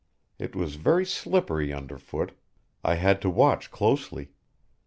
It was very slippery under foot I had to watch closely.